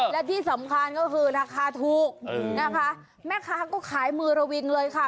และที่สำคัญก็คือราคาถูกนะคะแม่ค้าก็ขายมือระวิงเลยค่ะ